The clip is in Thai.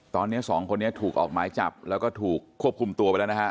ตอนนี้สองคนนี้ถูกออกหมายจับแล้วก็ถูกควบคุมตัวไปแล้วนะฮะ